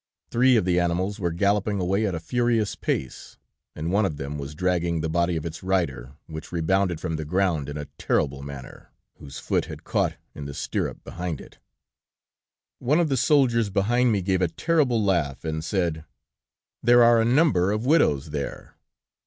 Three of the animals were galloping away at a furious pace, and one of them was dragging the body of its rider, which rebounded from the ground in a terrible manner, whose foot had caught in the stirrup behind it." "One of the soldiers behind me gave a terrible laugh, and said: 'There are a number of widows there!'"